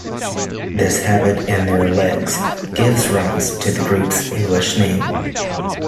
This habit, and their legs, gives rise to the group's English name.